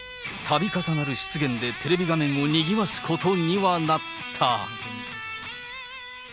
度重なる失言で、テレビ画面をにぎわすことにはなった。